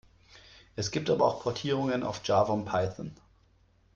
Es gibt aber auch Portierungen auf Java und Python.